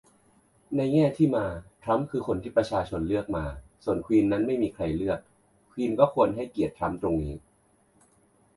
ในแง่ที่มา ทรัมป์คือคนที่ประชาชนเลือกมา ส่วนควีนนั้นไม่มีใครเลือก ควีนก็ควรให้เกียรติทรัมป์ตรงนี้